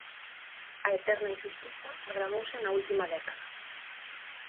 A eterna inxustiza agravouse na última década.